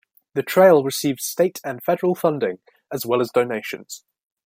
The trail receives state and federal funding as well as donations.